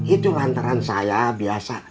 itu lantaran saya biasa